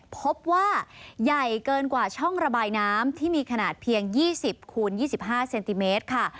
พบว่าใหญ่เกินกว่าช่องระบายน้ำที่มีขนาดเพียง๒๐คูณ๒๕เซนติเมตรค่ะ